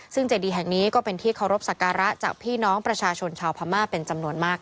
ซึ่งเจดีแห่งนี้ก็เป็นที่เคารพสักการะจากพี่น้องประชาชนชาวพม่าเป็นจำนวนมาก